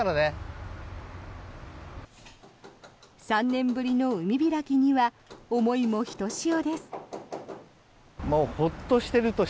３年ぶりの海開きには思いもひとしおです。